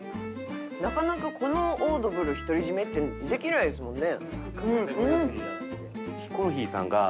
なかなかこのオードブル独り占めってできないですもんね。